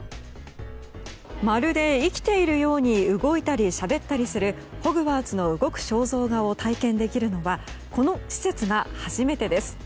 まるで生きているように動いたりしゃべったりするホグワーツの動く肖像画を体験できるのはこの施設が初めてです。